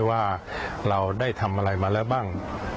ว่าเราได้ทำอะไรมาแล้วบ้าง